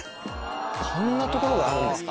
こんな所があるんですか？